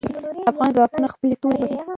افغان ځواکونه خپلې تورو وهې.